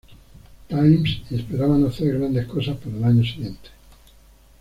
Times y esperaban hacer grandes cosas para el año siguiente.